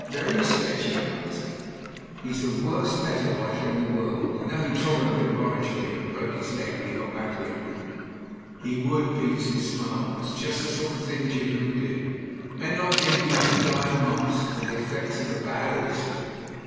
Very sketchy," I answered. "He's the worst let ter writer in the world. You know he trod on a bit of orange peel and broke his leg when he got back to England." "He would." Petersen smiled. "That's just the sort of thing Jim would do. Men like him usually die of mumps, or the effects of a bad oyster."